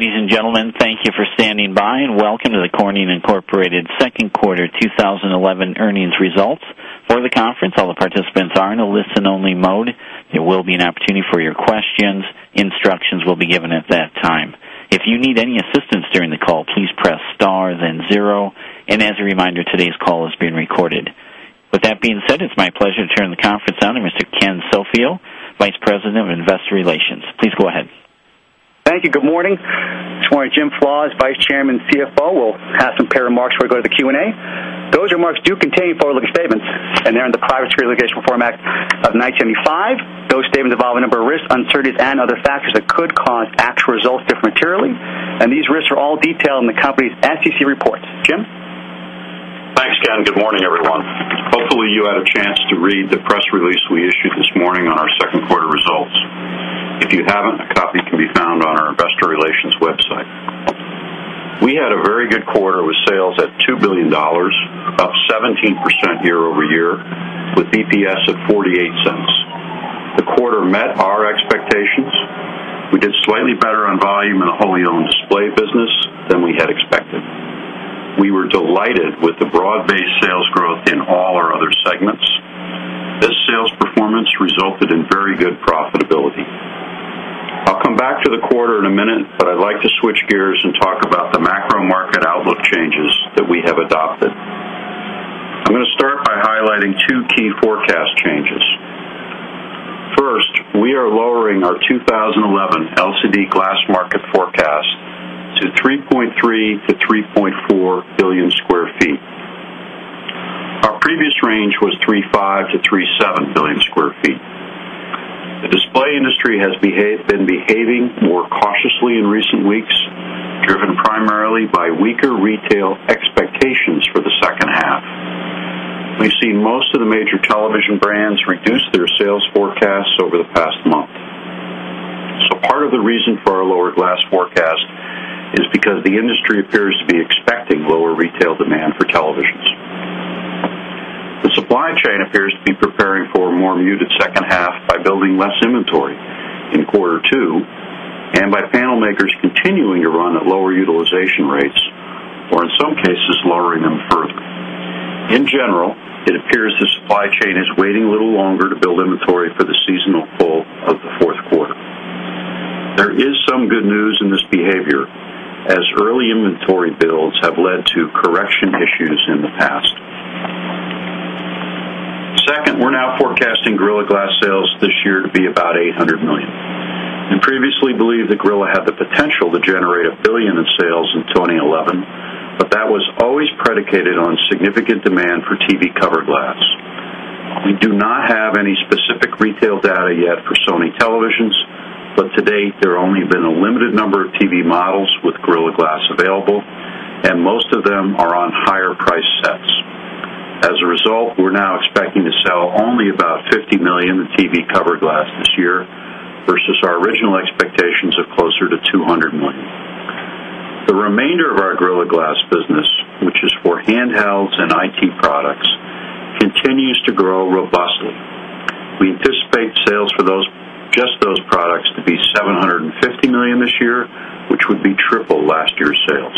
Ladies and gentlemen, thank you for standing by and welcome to the Corning Incorporated Second Quarter 2011 Earnings Results conference. All the participants are in a listen-only mode. There will be an opportunity for your questions. Instructions will be given at that time. If you need any assistance during the call, please press star then zero. As a reminder, today's call is being recorded. With that being said, it's my pleasure to turn the conference over to Mr. Ken Sofio, Vice President of Investor Relations. Please go ahead. Thank you. Good morning. This morning, Jim Flaws, Vice Chairman and CFO, will have some pair of remarks before we go to the Q&A. Those remarks do contain forward-looking statements, and they're in the Private Securities Litigation Reform Act of 1995. Those statements involve a number of risks, uncertainties, and other factors that could cause actual results different materially. These risks are all detailed in the company's SEC reports. Jim? Thanks, Ken. Good morning, everyone. Hopefully, you had a chance to read the press release we issued this morning on our second quarter results. If you haven't, a copy can be found on our Investor Relations website. We had a very good quarter with sales at $2 billion, about 17% year-over-year, with EPS at $0.48. The quarter met our expectations. We did slightly better on volume in the wholly owned display business than we had expected. We were delighted with the broad-based sales growth in all our other segments. This sales performance resulted in very good profitability. I'll come back to the quarter in a minute, but I'd like to switch gears and talk about the macro market outlook changes that we have adopted. I'm going to start by highlighting two key forecast changes. First, we are lowering our 2011 LCD glass market forecast to 3.3 billion sq. ft.-3.4 billion sq. ft. Our previous range was 3.5 billion sq. ft.-3.7 billion sq. ft. The display industry has been behaving more cautiously in recent weeks, driven primarily by weaker retail expectations for the second half. We've seen most of the major television brands reduce their sales forecasts over the past month. Part of the reason for our lower glass forecast is because the industry appears to be expecting lower retail demand for television. The supply chain appears to be preparing for a more muted second half by building less inventory in quarter two and by panel makers continuing to run at lower utilization rates or, in some cases, lowering them further. In general, it appears the supply chain is waiting a little longer to build inventory for the seasonal full of the fourth quarter. There is some good news in this behavior, as early inventory builds have led to correction issues in the past. Second, we're now forecasting Gorilla Glass sales this year to be about $800 million. We previously believed that Gorilla had the potential to generate $1 billion in sales in 2011, but that was always predicated on significant demand for TV covered glass. We do not have any specific retail data yet for Sony televisions, but to date, there have only been a limited number of TV models with Gorilla Glass available, and most of them are on higher-priced sets. As a result, we're now expecting to sell only about $50 million in TV covered glass this year versus our original expectations of closer to $200 million. The remainder of our Gorilla Glass business, which is for handhelds and IT products, continues to grow robustly. We anticipate sales for just those products to be $750 million this year, which would be triple last year's sales.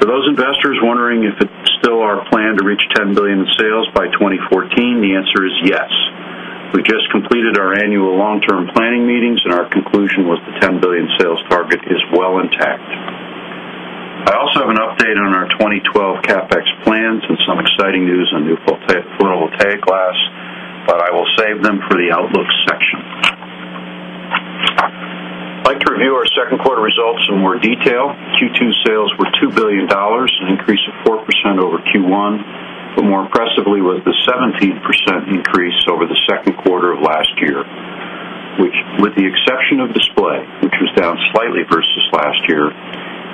For those investors wondering if it's still our plan to reach $10 billion in sales by 2014, the answer is yes. We just completed our annual long-term planning meetings, and our conclusion was the $10 billion sales target is well intact. I also have an update on our 2012 CapEx plans and some exciting news on new photovoltaic glass, but I will save them for the outlook section. I'd like to review our second quarter results in more detail. Q2 sales were $2 billion, an increase of 4% over Q1, but more impressively, with a 17% increase over the second quarter of last year, which, with the exception of display, which was down slightly versus last year,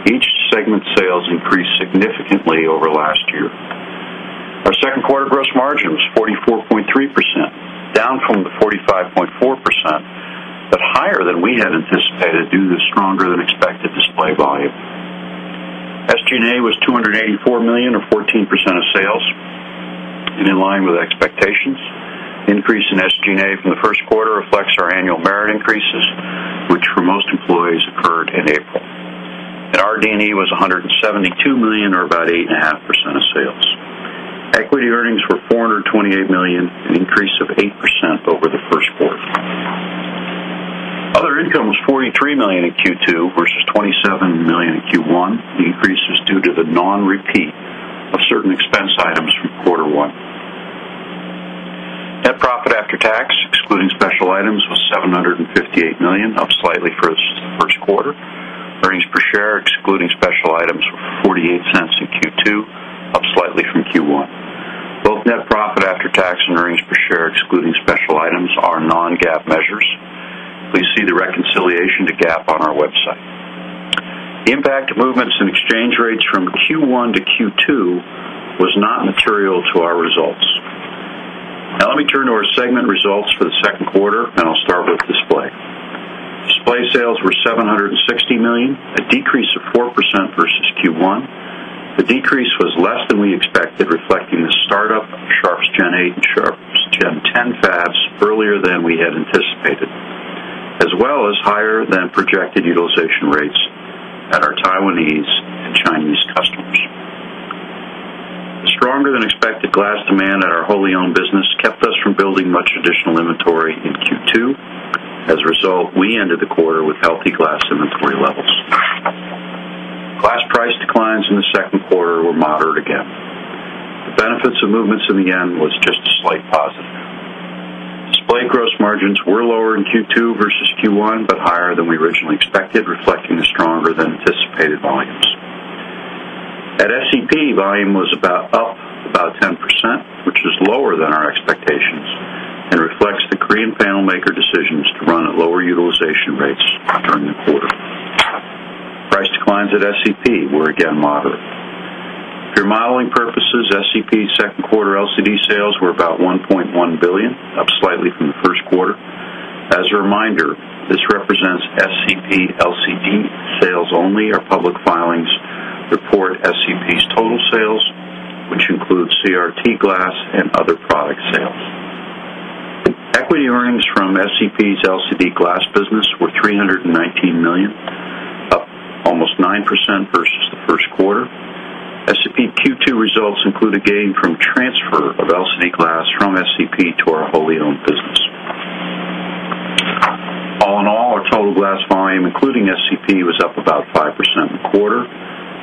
each segment sales increased significantly over last year. Our second quarter gross margin was 44.3%, down from 45.4%, but higher than we had anticipated due to stronger than expected display volume. SG&A was $284 million, or 14% of sales, and in line with expectations. The increase in SG&A from the first quarter reflects our annual merit increases, which for most employees occurred in April. Our RD&E was $172 million, or about 8.5% of sales. Equity earnings were $428 million, an increase of 8% over the first quarter. Other income was $43 million in Q2 versus $27 million in Q1. The increase is due to the non-repeat of certain expense items from quarter one. Net profit after tax, excluding special items, was $758 million, up slightly for the first quarter. Earnings per share, excluding special items, were $0.48 in Q2, up slightly from Q1. Both net profit after tax and earnings per share, excluding special items, are non-GAAP measures. Please see the reconciliation to GAAP on our website. The impact of movements in exchange rates from Q1 to Q2 was not material to our results. Now let me turn to our segment results for the second quarter, and I'll start with display. Display sales were $760 million, a decrease of 4% versus Q1. The decrease was less than we expected, reflecting the startup of Sharp's Gen 8 and Sharp's Gen 10 fabs earlier than we had anticipated, as well as higher than projected utilization rates at our Taiwanese and Chinese customers. The stronger than expected glass demand at our wholly owned business kept us from building much additional inventory in Q2. As a result, we ended the quarter with healthy glass inventory levels. Glass price declines in the second quarter were moderate again. The benefits of movements in the end was just a slight positive. Display gross margins were lower in Q2 versus Q1, but higher than we originally expected, reflecting the stronger than anticipated volumes. At SEP, volume was up about 10%, which is lower than our expectations and reflects the Korean panel maker decisions to run at lower utilization rates during the quarter. Price declines at SCP were again moderate. For modeling purposes, SCP's second quarter LCD sales were about $1.1 billion, up slightly from the first quarter. As a reminder, this represents SCP LCD sales only. Our public filings report SCP's total sales, which includes CRT glass and other product sales. Equity earnings from SCP's LCD glass business were $319 million, almost 9% versus the first quarter. SCP Q2 results include a gain from transfer of LCD glass from SCP to our wholly owned business. All in all, our total glass volume, including SCP, was up about 5% in the quarter.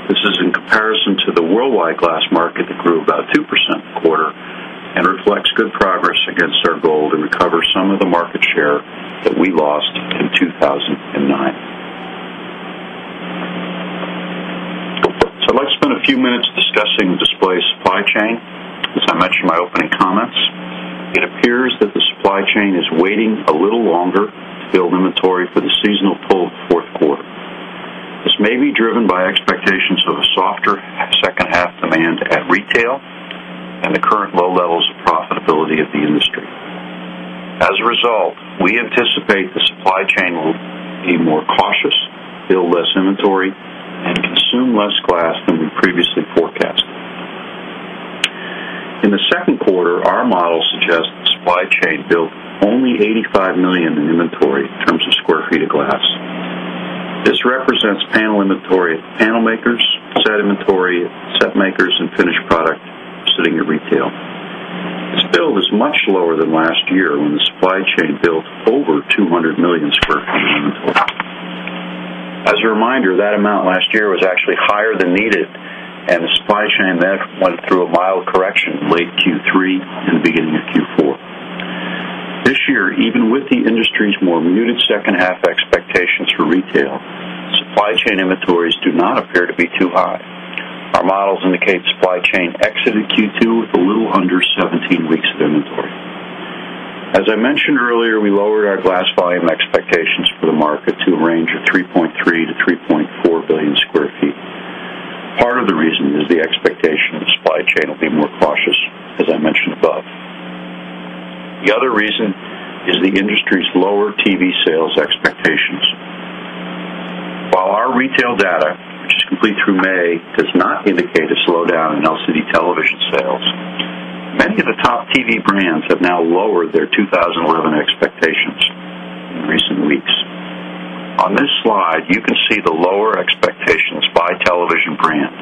This is in comparison to the worldwide glass market that grew about 2% in the quarter and reflects good progress against our goal to recover some of the market share that we lost in 2009. I would like to spend a few minutes discussing display supply chain, as I mentioned in my opening comments. It appears that the supply chain is waiting a little longer to build inventory for the seasonal full fourth quarter. It may be driven by expectations of a softer second half demand at retail and the current low levels of profitability of the industry. As a result, we anticipate the supply chain will be more cautious, build less inventory, and consume less glass than we previously forecasted. In the second quarter, our model suggests the supply chain built only $85 million in inventory in terms of square feet of glass. This represents panel inventory at the panel makers, set inventory at set makers, and finished product sitting at retail. This build is much lower than last year when the supply chain built over $200 million sq. ft. of inventory. As a reminder, that amount last year was actually higher than needed, and the supply chain then went through a mild correction in late Q3 and the beginning of Q4. This year, even with the industry's more muted second half expectations for retail, supply chain inventories do not appear to be too high. Our models indicate supply chain exited Q2 with a little under 17 weeks of inventory. As I mentioned earlier, we lowered our glass volume expectations for the market to a range of 3.3 billion sq. ft.-3.4 billion sq. ft. Part of the reason is the expectation the supply chain will be more cautious, as I mentioned above. The other reason is the industry's lower TV sales expectations. While our retail data complete through May does not indicate a slowdown in LCD television sales, many of the top TV brands have now lowered their 2011 expectations in recent weeks. On this slide, you can see the lower expectations by television brand.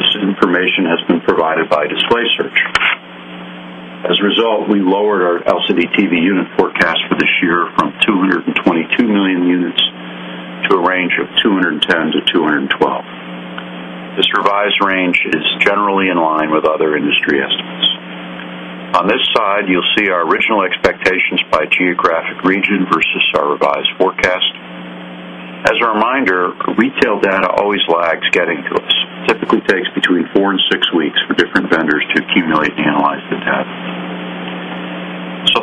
This information has been provided by Display Search. As a result, we lowered our LCD TV unit forecast for this year from 222 million units to a range of 210 million-212 million. This revised range is generally in line with other industry estimates. On this slide, you'll see our original expectations by geographic region versus our revised forecast. As a reminder, retail data always lags getting to us. It typically takes between four and six weeks for different vendors to accumulate and analyze the data.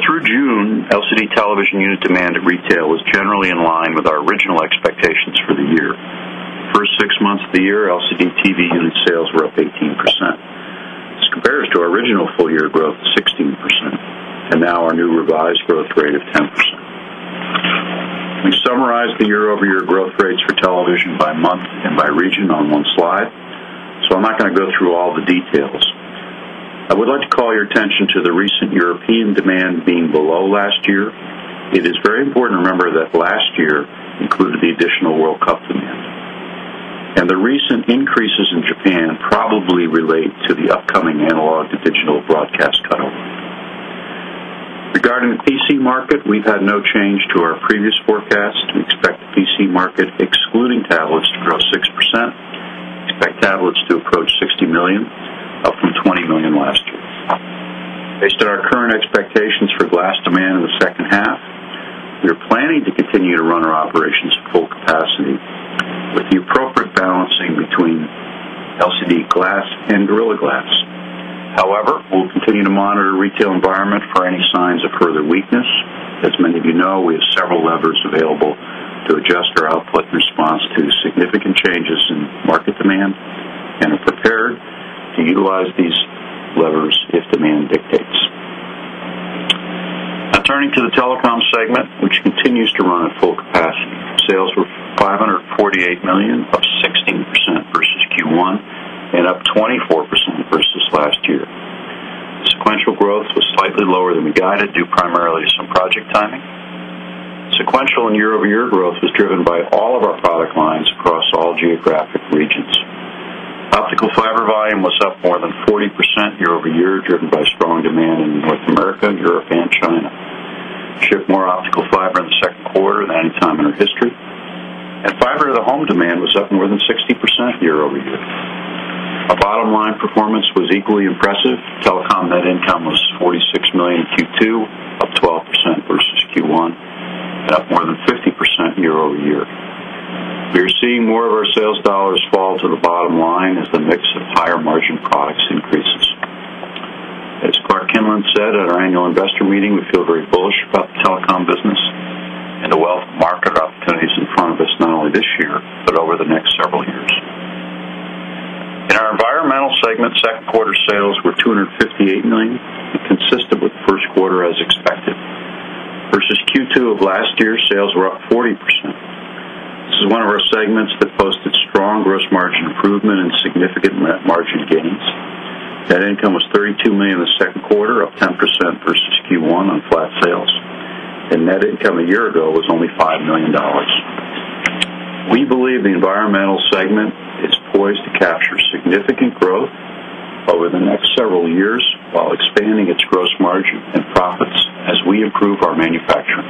Through June, LCD television unit demand at retail was generally in line with our original expectations for the year. The first six months of the year, LCD TV unit sales were up 18%. This compares to our original full-year growth of 16% and now our new revised growth rate of 10%. We summarized the year-over-year growth rates for television by month and by region on one slide, so I'm not going to go through all the details. I would like to call your attention to the recent European demand being below last year. It is very important to remember that last year included the additional World Cup demand. The recent increases in Japan probably relate to the upcoming analog to digital broadcast cutover. Regarding the PC market, we've had no change to our previous forecast. We expect the PC market, excluding tablets, to grow 6%. We expect tablets to approach 60 million, up from 20 million last year. Based on our current expectations for glass demand in the second half, we are planning to continue to run our operations at full capacity with the appropriate balancing between LCD glass and Gorilla Glass. However, we'll continue to monitor the retail environment for any signs of further weakness. As many of you know, we have several levers available to adjust our output in response to significant changes in market demand and are prepared to utilize these levers if demand dictates. Turning to the telecom segment, which continues to run at full capacity, sales were $548 million, 16% versus Q1, and up 24% versus last year. Sequential growth was slightly lower than we guided, due primarily to some project timing. Sequential and year-over-year growth was driven by all of our product lines across all geographic regions. Optical fiber volume was up more than 40% year-over-year, driven by strong demand in North America, Europe, and China. We shipped more optical fiber in the second quarter than any time in our history. Fiber-to-the-home demand was up more than 60% year-over-year. Our bottom line performance was equally impressive. Telecom net income was $46 million in Q2, up 12% versus Q1, and up more than 50% year-over-year. We are seeing more of our sales dollars fall to the bottom line as the mix of higher margin products increases. As Clark Kinlin said at our annual investor meeting, we feel very bullish about the telecom business and the wealth of market opportunities in front of us, not only this year, but over the next several years. In our environmental segment, second quarter sales were $258 million, consistent with the first quarter as expected. Versus Q2 of last year, sales were up 40%. This is one of our segments that posted strong gross margin improvement and significant net margin gains. Net income was $32 million in the second quarter, up 10% versus Q1 on flat sales. Net income a year ago was only $5 million. We believe the environmental segment is poised to capture significant growth over the next several years while expanding its gross margin and profits as we improve our manufacturing.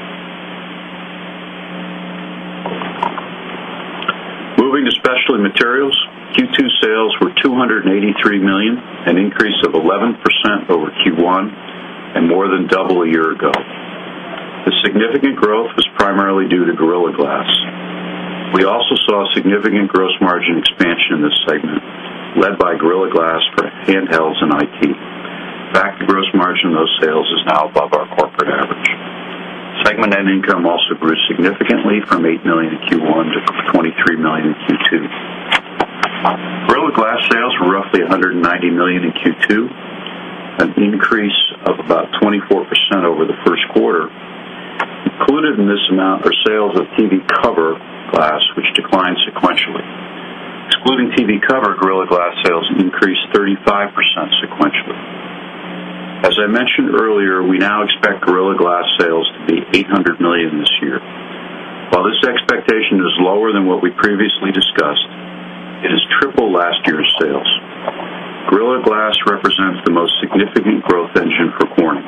Moving to specialty materials, Q2 sales were $283 million, an increase of 11% over Q1 and more than double a year ago. The significant growth was primarily due to Gorilla Glass. We also saw significant gross margin expansion in this segment led by Gorilla Glass for handhelds and IT. In fact, the gross margin in those sales is now above our corporate average. Segment net income also grew significantly from $8 million in Q1 to $23 million in Q2. Gorilla Glass sales were roughly $190 million in Q2, an increase of about 24% over the first quarter. Included in this amount were sales of TV cover glass, which declined sequentially. Excluding TV cover, Gorilla Glass sales increased 35% sequentially. As I mentioned earlier, we now expect Gorilla Glass sales to be $800 million this year. While this expectation is lower than what we previously discussed, it has tripled last year's sales. Gorilla Glass represents the most significant growth engine for Corning.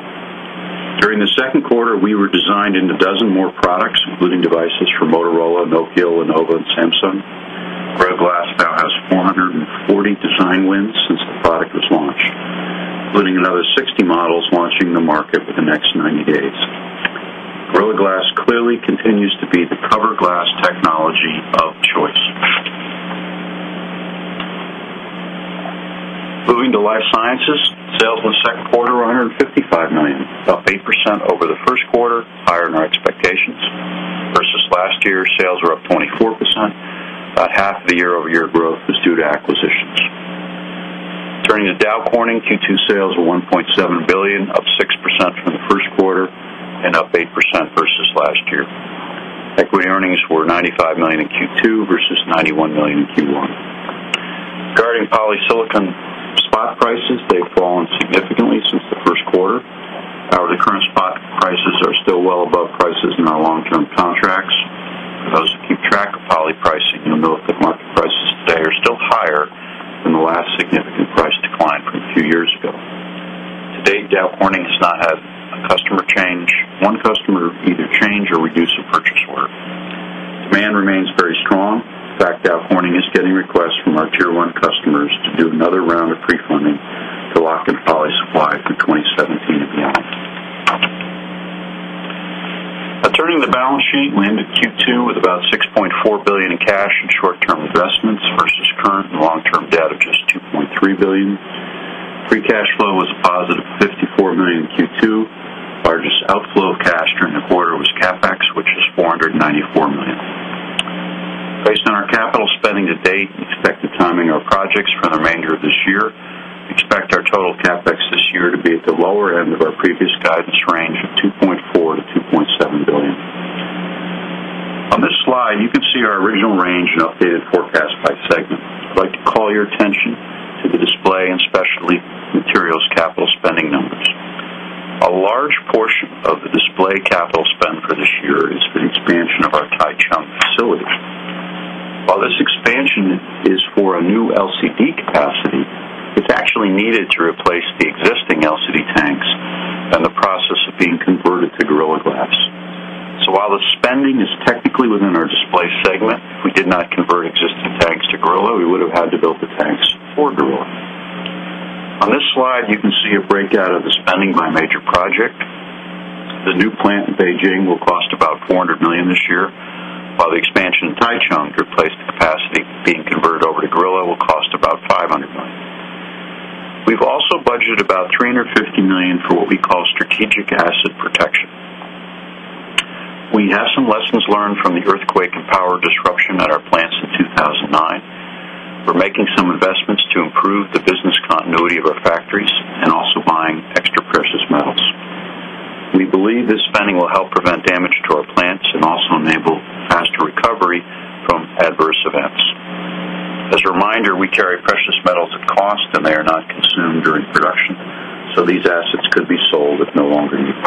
During the second quarter, we were designed into a dozen more products, including devices for Motorola, Nokia, Lenovo, and Samsung. Gorilla Glass now has 440 design wins since the product was launched, including another 60 models launching in the market in the next 90 days. Gorilla Glass clearly continues to be the cover glass technology of choice. Moving to Life Sciences, sales in the second quarter were $155 million, up 8% over the first quarter, higher than our expectations. Versus last year, sales were up 24%. About half of the year-over-year growth was due to acquisitions. Turning to Dow Corning, Q2 sales were $1.7 billion, up 6% from the first quarter and up 8% versus last year. Equity earnings were $95 million in Q2 versus $91 million in Q1. Regarding polysilicon spot prices, they've fallen significantly since the first quarter. However, the current spot prices are still well above prices in our long-term contracts. For those that keep track of poly pricing, you'll note that market prices today are still higher than the last significant price decline from a few years ago. To date, Dow Corning has not had a customer change, one customer either change or reduce their purchase order. Demand remains very strong. In fact, Dow Corning is getting requests from our tier-one customers to do another round of pre-funding to lock in poly supply for 2017 and beyond. Now, turning to the balance sheet, we ended Q2 with about $6.4 billion in cash and short-term investments versus current and long-term debt of just $2.3 billion. Free cash flow was a positive $54 million in Q2. The largest outflow of cash during the quarter was CapEx, which was $494 million. Based on our capital spending to date and expected timing of projects for the remainder of this year, we expect our total CapEx this year to be at the lower end of our previous guidance range of $2.4 billion-$2.7 billion. On this slide, you can see our original range and updated forecast by segment. I'd like to call your attention to the Display and Specialty Materials capital spending numbers. A large portion of the Display capital spend for this year is the expansion of our Taichung facility. While this expansion is for a new LCD capacity, it's actually needed to replace the existing LCD tanks and the process of being converted to Gorilla Glass. While the spending is technically within our Display segment, if we did not convert existing tanks to Gorilla, we would have had to build the tanks for Gorilla. On this slide, you can see a breakout of the spending by major project. The new plant in Beijing will cost about $400 million this year, while the expansion in Taichung to replace the capacity being converted over to Gorilla will cost about $500 million. We've also budgeted about $350 million for what we call strategic asset protection. We have some lessons learned from the earthquake and power disruption at our plants in 2009. We're making some investments to improve the business continuity of our factories and also buying extra precious metals. We believe this spending will help prevent damage to our plants and also enable faster recovery from adverse events. As a reminder, we carry precious metals at cost, and they are not consumed during production, so these assets could be sold if no longer needed.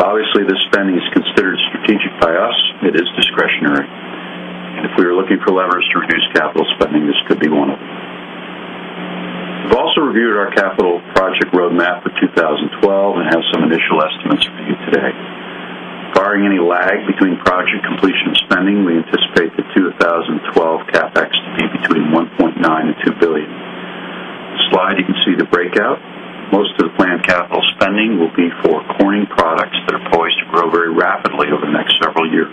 Obviously, this spending is considered strategic by us. It is discretionary. If we are looking for levers to reduce capital spending, this could be one of them. We've also reviewed our capital project roadmap for 2012 and have some initial estimates for you today. Barring any lag between project completion and spending, we anticipate the 2012 CapEx to be between $1.9 billion and $2 billion. On the slide, you can see the breakout. Most of the planned capital spending will be for Corning products that are poised to grow very rapidly over the next several years,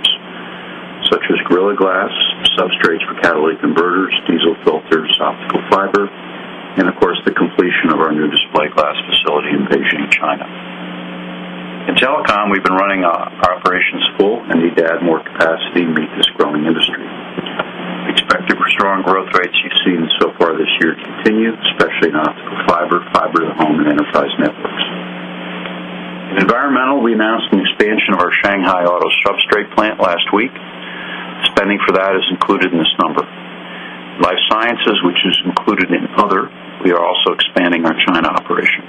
such as Gorilla Glass, substrates for catalytic converters, diesel filters, optical fiber, and of course, the completion of our new display glass facility in Beijing, China. In telecom, we've been running our operations full and need to add more capacity to meet this growing industry. We expect the strong growth rates we've seen so far this year to continue, especially in optical fiber, fiber, the home, and enterprise networks. In Environmental, we announced an expansion of our Shanghai auto substrate plant last week. Spending for that is included in this number. In Life Sciences, which is included in other, we are also expanding our China operation.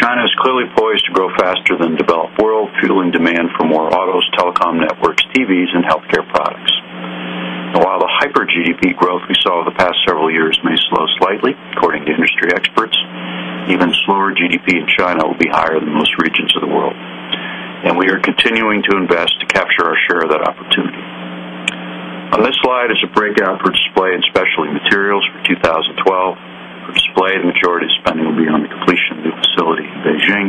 China is clearly poised to grow faster than the developed world, fueling demand for more autos, telecom networks, TVs, and healthcare products. While the hyper-GDP growth we saw over the past several years may slow slightly, according to industry experts, even slower GDP in China will be higher than most regions of the world. We are continuing to invest to capture our share of that opportunity. On this slide is a breakout for display and Specialty Materials for 2012. For display, the majority of spending will be on the completion of the new facility in Beijing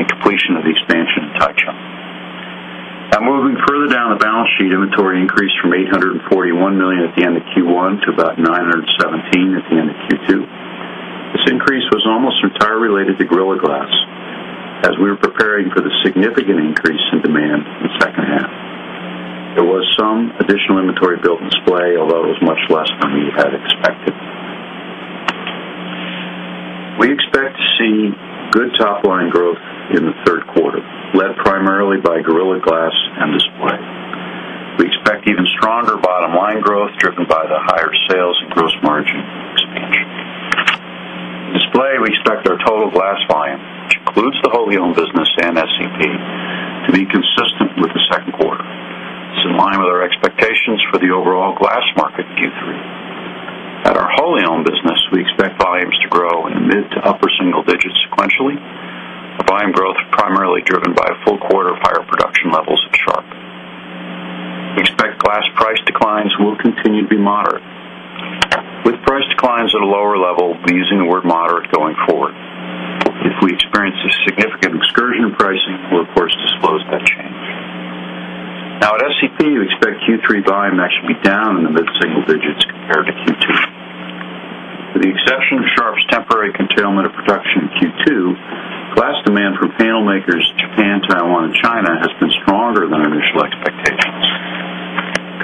and completion of the expansion in Taichung. Now, moving further down the balance sheet, inventory increased from $841 million at the end of Q1 to about $917 million at the end of Q2. This increase was almost entirely related to Gorilla Glass, as we were preparing for the significant increase in demand in the second half. There was some additional inventory built for display. We expect to see good top-line growth in the third quarter, led primarily by Gorilla Glass and display. We expect even stronger bottom line growth driven by the higher sales and gross margin expansion. In display, we expect our total glass volume, which includes the wholly owned business and SCP, to be consistent with the second quarter. This is in line with our expectations for the overall glass market in Q3. At our wholly owned business, we expect volumes to grow in mid to upper single digits sequentially, and volume growth primarily driven by full quarter fire production levels of Sharp. We expect glass price declines will continue to be moderate. With price declines at a lower level, we'll be using the word moderate going forward. If we experience a significant excursion in pricing, we'll, of course, disclose that change. At SCP, we expect Q3 volume actually to be down in the mid-single digits compared to Q2. With the exception of Sharp's temporary curtailment of production in Q2, glass demand from panel makers in Japan, Taiwan, and China has been stronger than our initial expectations.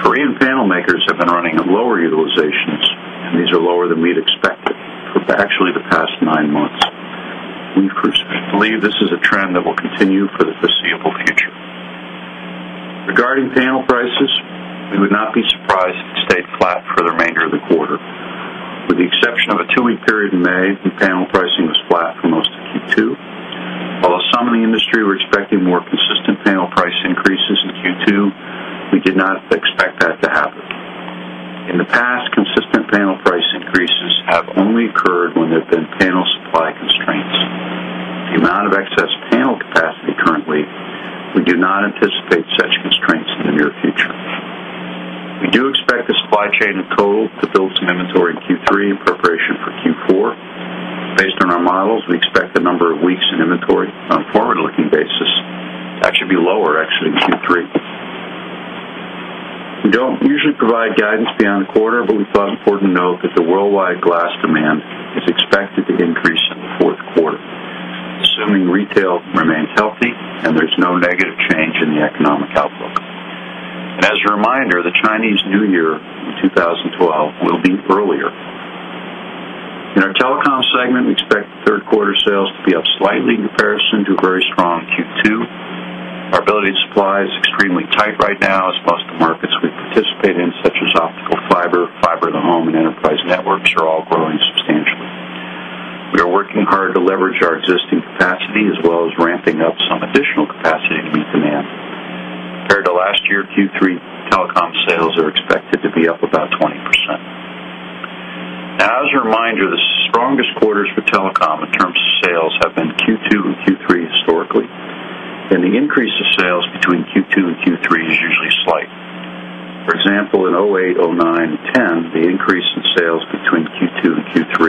Korean panel makers have been running at lower utilizations, and these are lower than we'd expected, actually, the past nine months. We believe this is a trend that will continue for the foreseeable future. Regarding panel prices, we would not be surprised if it stayed flat for the remainder of the quarter. With the exception of a two-week period in May, panel pricing was flat for most of Q2. While some in the industry were expecting more consistent panel price increases in Q2, we did not expect that to happen. In the past, consistent panel price increases have only occurred when there have been panel supply constraints. The amount of excess panel capacity currently, we do not anticipate such constraints in the near future. We do expect the supply chain in total to build some inventory in Q3 in preparation for Q4. Based on our models, we expect the number of weeks in inventory on a forward-looking basis to actually be lower exiting Q3. We don't usually provide guidance beyond the quarter, but we thought it was important to note that the worldwide glass demand is expected to increase in the fourth quarter, assuming retail remains healthy and there's no negative change in the economic outlook. As a reminder, the Chinese New Year 2012 will be fertile. In our telecom segment, we expect third-quarter sales to be up slightly in comparison to a very strong Q2. Our ability to supply is extremely tight right now, as most of the markets we participate in, such as optical fiber, fiber to the home, and enterprise networks, are all growing substantially. We are working hard to leverage our existing capacity as well as ramping up some additional capacity in the [demand]. Compared to last year, Q3 telecom sales are expected to be up about 20%. As a reminder, the strongest quarters for telecom in terms of sales have been Q2 and Q3 historically, and the increase of sales between Q2 and Q3 is usually slight. For example, in 2008, 2009, and 2010, the increase in sales between Q2 and Q3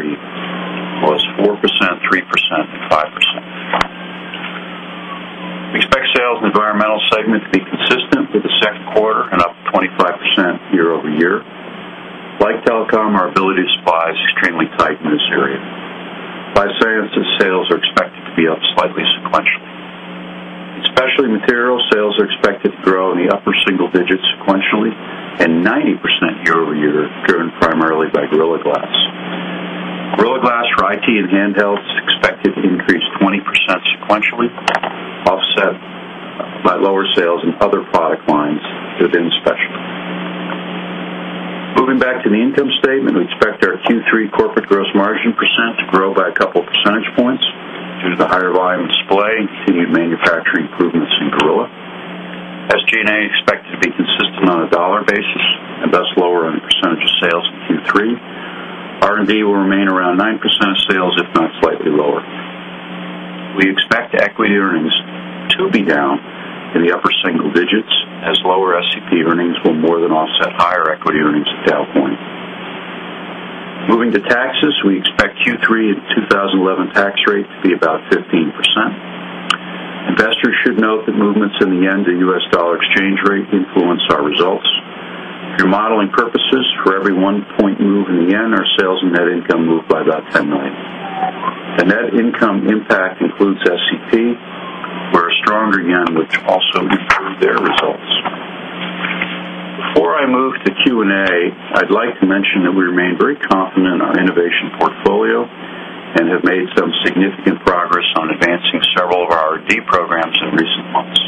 was 4%, 3%, and 5%. We expect sales in the environmental segment to be consistent for the second quarter and up 25% year-over-year. Like telecom, our ability to supply is extremely tight in this area. Life Sciences sales are expected to be up slightly sequentially. Specialty Materials sales are expected to grow in the upper single digits sequentially and 90% year-over-year, driven primarily by Gorilla Glass. Gorilla Glass for IT and handhelds is expected to increase 20% sequentially, offset by lower sales in other product lines within Specialty. Moving back to the income statement, we expect our Q3 corporate gross margin percent to grow by a couple of percentage points due to the higher volume of display and continued manufacturing improvements in Gorilla. SG&A is expected to be consistent on a dollar basis and thus lower on the percentage of sales in Q3. R&D will remain around 9% of sales, if not slightly lower. We expect equity earnings to be down in the upper single digits, as lower SCP earnings will more than offset higher equity earnings at Dow Corning. Moving to taxes, we expect Q3 2011 tax rate to be about 15%. Investors should note that movements in the yen to U.S. dollar exchange rate influence our results. For modeling purposes, for every one point move in the yen, our sales and net income move by about $10 million. The net income impact includes SCP, where a stronger yen also improved their results. Before I move to Q&A, I'd like to mention that we remain very confident in our innovation portfolio and have made some significant progress on advancing several of our R&D programs in recent months.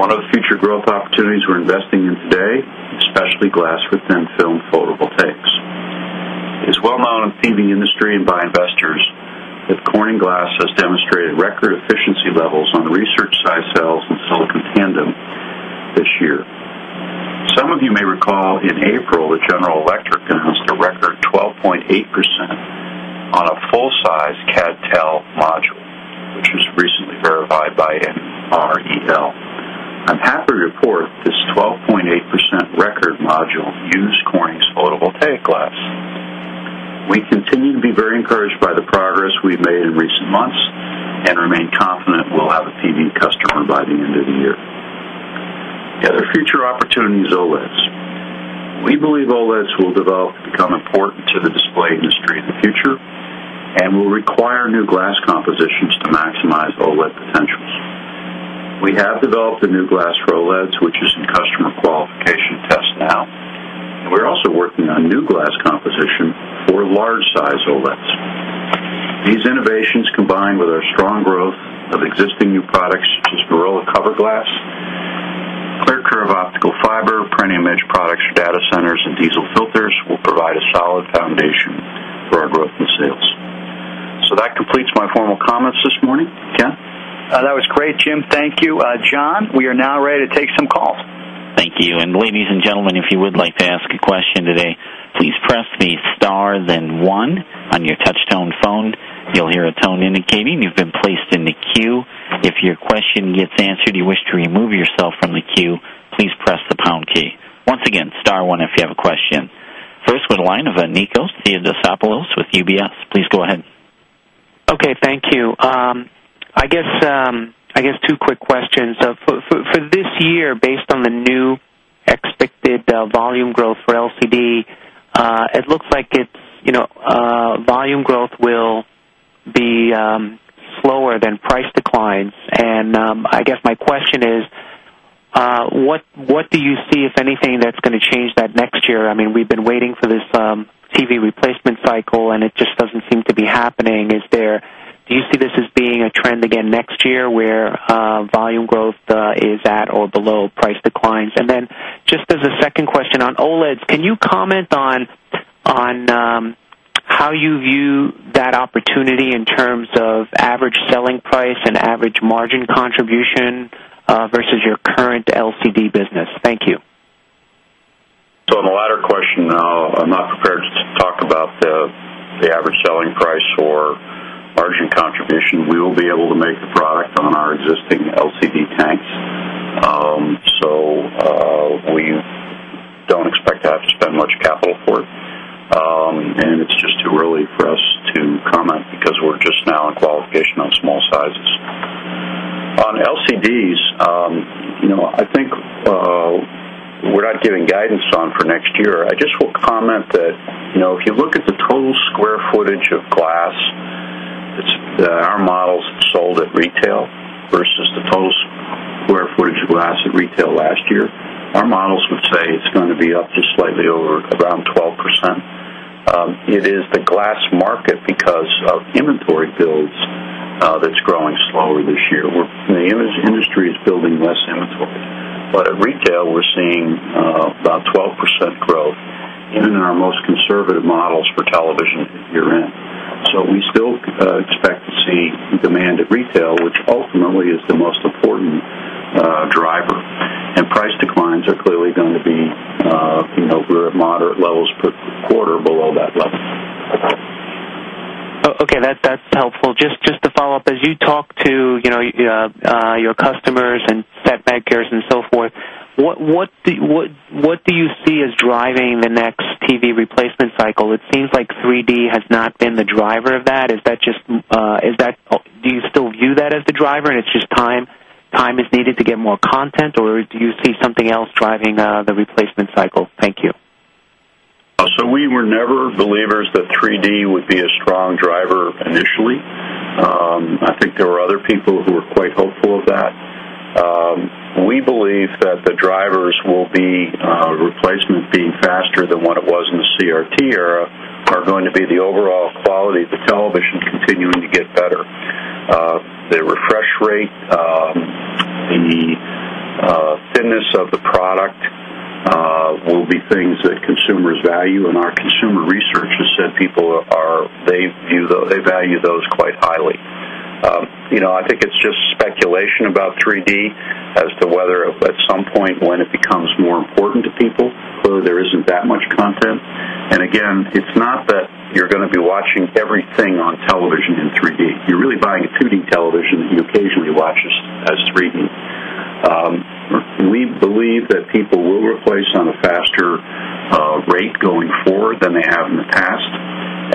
One of the future growth opportunities we're investing in today is the glass within film foldable tape. It's well known in the TV industry and by investors that Corning Glass has demonstrated record efficiency levels on the research side cells in the silicon tandem this year. Some of you may recall in April that General Electric announced a record 12.8% on a full-size Cad-Tel module, which was recently verified by NREL. I'm happy to report this 12.8% record module used Corning's photovoltaic glass. We continue to be very encouraged by the progress we've made in recent months and remain confident we'll have a TV customer by the end of the year. The other future opportunity is OLEDs. We believe OLEDs will develop to become important to the display industry in the future and will require new glass compositions to maximize OLED potentials. We have developed a new glass for OLEDs, which is in customer qualification tests now, and we're also working on new glass composition for large-size OLEDs. These innovations, combined with our strong growth of existing new products such as Gorilla cover Glass, ClearCurve optical fiber, Pretium EDGE products for data centers, and diesel filters, will provide a solid foundation for our growth in sales. That completes my formal comments this morning, Ken. That was great, Jim. Thank you. John, we are now ready to take some calls. Thank you. Ladies and gentlemen, if you would like to ask a question today, please press the star then one on your touch-tone phone. You'll hear a tone indicating you've been placed in the queue. If your question gets answered and you wish to remove yourself from the queue, please press the pound key. Once again, star one if you have a question. First, with a line of Nikos Theodisopoulos with UBS. Please go ahead. Okay. Thank you. I guess two quick questions. For this year, based on the new expected volume growth for LCD, it looks like volume growth will be slower than price declines. My question is, what do you see, if anything, that's going to change that next year? I mean, we've been waiting for this TV replacement cycle, and it just doesn't seem to be happening. Do you see this as being a trend again next year where volume growth is at or below price declines? As a second question on OLEDs, can you comment on how you view that opportunity in terms of average selling price and average margin contribution versus your current LCD business? Thank you. On the latter question, I'm not prepared to talk about the average selling price or margin contribution. We will be able to make the product on our existing LCD tanks, so we don't expect to have to spend much capital for it. It's just too early for us to comment because we're just now in qualification on small sizes. On LCDs, I think we're not giving guidance for next year. I just will comment that if you look at the total square footage of glass that our models sold at retail versus the total square footage of glass at retail last year, our models would say it's going to be up just slightly over around 12%. It is the glass market because of inventory builds that's growing slower this year. The industry is building less inventory. At retail, we're seeing about 12% growth in our most conservative models for television year-end. We still expect to see demand at retail, which ultimately is the most important driver. Price declines are clearly going to be at moderate levels per quarter below that level. Okay. That's helpful. Just to follow up, as you talk to your customers and set backers and so forth, what do you see as driving the next TV replacement cycle? It seems like 3D has not been the driver of that. Do you still view that as the driver and it's just time is needed to get more content, or do you see something else driving the replacement cycle? Thank you. We were never believers that 3D would be a strong driver initially. I think there were other people who were quite hopeful of that. We believe that the drivers will be replacement being faster than what it was in the CRT era, and the overall quality of the television continuing to get better. The refresh rate and the thinness of the product will be things that consumers value, and our consumer research has said people value those quite highly. I think it's just speculation about 3D as to whether at some point when it becomes more important to people, whether there isn't that much content. Again, it's not that you're going to be watching everything on television in 3D. You're really buying a 2D television that you occasionally watch as 3D. We believe that people will replace on a faster rate going forward than they have in the past.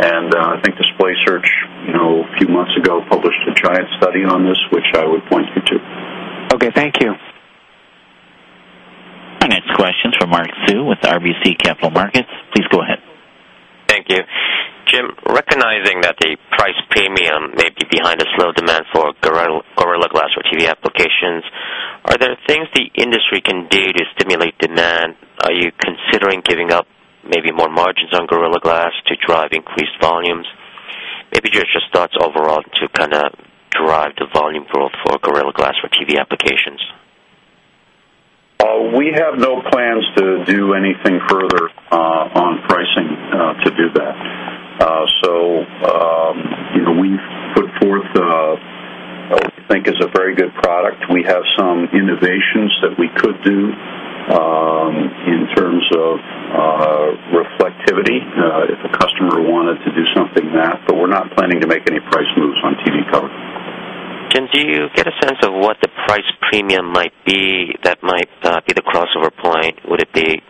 I think Display Search a few months ago published a giant study on this, which I would point you to. Okay, thank you. Our next question is from Mark Sue with RBC Capital Markets. Please go ahead. Thank you. Jim, recognizing that the price premium may be behind a slow demand for Gorilla Glass for TV applications, are there things the industry can do to stimulate demand? Are you considering giving up maybe more margins on Gorilla Glass to drive increased volumes? Maybe just your thoughts overall to kind of drive the volume growth for Gorilla Glass for TV applications. We have no plans to do anything further on pricing to do that. We put forth what we think is a very good product. We have some innovations that we could do in terms of reflectivity if a customer wanted to do something in that, but we're not planning to make any price moves on TV cover. Jim, do you get a sense of what the price premium might be that might be the crossover point? Would it be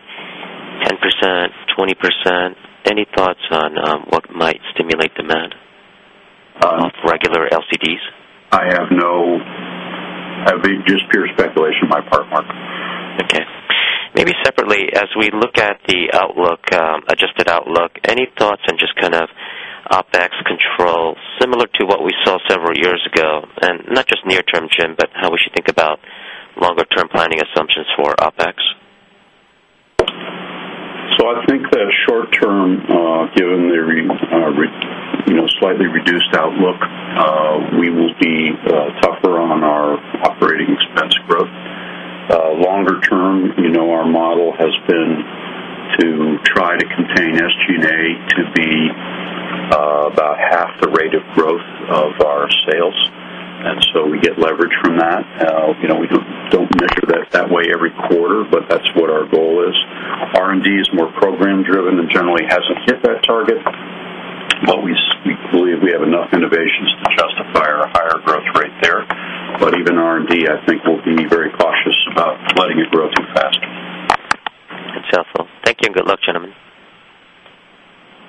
10%, 20%? Any thoughts on what might stimulate demand for regular LCDs? I have just pure speculation on my part, Mark. Okay. Maybe separately, as we look at the adjusted outlook, any thoughts on just kind of OpEx control similar to what we saw several years ago? Not just near-term, Jim, but how we should think about longer-term planning assumptions for OpEx. I think that short term, given the slightly reduced outlook, we will be tougher on our operating expense growth. Longer term, you know our model has been to try to contain SG&A to be about half the rate of growth of our sales, and we get leverage from that. You know we don't measure that that way every quarter, but that's what our goal is. R&D is more program-driven and generally hasn't hit that target, but we believe we have enough innovations to justify our higher growth rate there. Even R&D, I think, will be very cautious about letting it grow too fast. That's helpful. Thank you and good luck, gentlemen.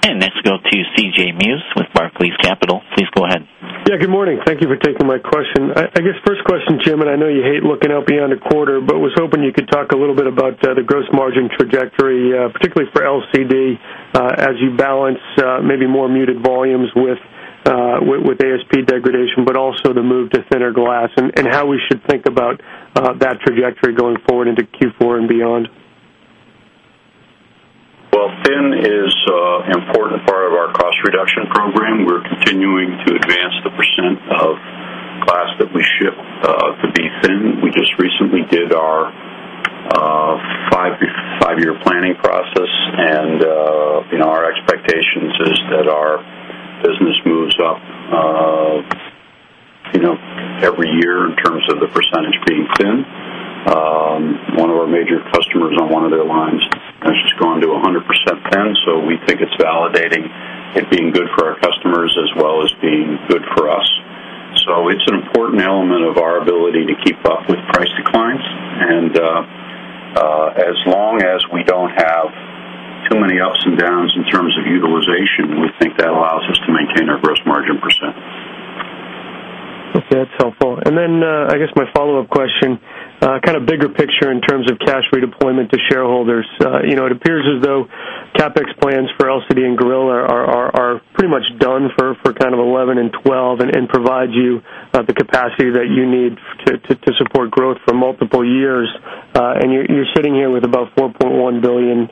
Okay. Next, we'll go to CJ Muse with Barclays Capital. Please go ahead. Yeah. Good morning. Thank you for taking my question. I guess first question, Jim, and I know you hate looking out beyond a quarter, but was hoping you could talk a little bit about the gross margin trajectory, particularly for LCD, as you balance maybe more muted volumes with ASP degradation, but also the move to thinner glass and how we should think about that trajectory going forward into Q4 and beyond. Thin is an important part of our cost reduction program. We're continuing to advance the % of glass that we ship to be thin. We just recently did our five-year planning process, and our expectation is that our business moves up every year in terms of the percentage being thin. One of our major customers on one of their lines has just gone to 100% thin, so we think it's validating it being good for our customers as well as being good for us. It's an important element of our ability to keep up with price declines. As long as we don't have too many ups and downs in terms of utilization, we think that allows us to maintain our gross margin percent. Okay, that's helpful. I guess my follow-up question, kind of bigger picture in terms of cash redeployment to shareholders. It appears as though CapEx plans for LCD and Gorilla are pretty much done for 2011 and 2012 and provide you the capacity that you need to support growth for multiple years. You're sitting here with about $4.1 billion